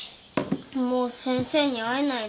もう先生に会えないの？